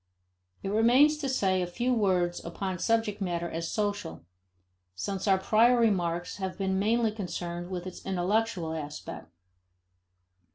It remains to say a few words upon subject matter as social, since our prior remarks have been mainly concerned with its intellectual aspect.